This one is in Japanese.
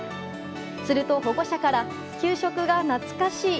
すると、保護者から給食が懐かしい。